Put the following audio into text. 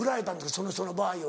その人の場合は。